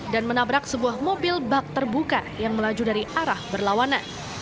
dan menabrak sebuah mobil bak terbuka yang melaju dari arah berlawanan